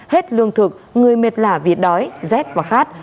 hết lương thực người mệt lả việt đói rét và khác